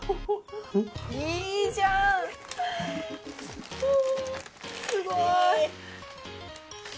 いいじゃん！おすごい。